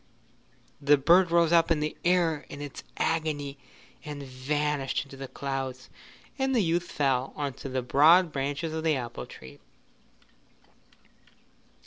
The bird rose up in the air in its agony and vanished into the clouds, and the youth fell on to the broad branches of the apple tree.